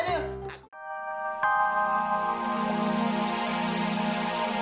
saya yang nangkap sebenarnya